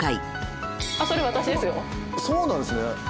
そうなんですね。